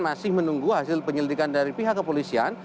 masih menunggu hasil penyelidikan dari pihak kepolisian